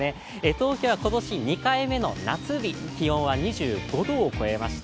東京は今年２回目の夏日、気温は２５度を超えました。